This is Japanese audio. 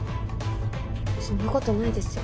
そんなことないですよ。